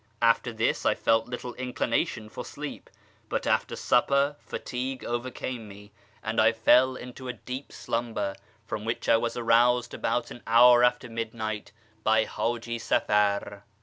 After this I felt little inclination for sleep, but after supper fatigue overcame me and I fell into a A. FROM SHIRAz to YEZD 355 deep slumber, from which I was aroused about an hour after midnight by Haji Safar.